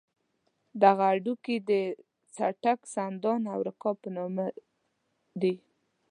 دغه هډوکي د څټک، سندان او رکاب په نامه دي.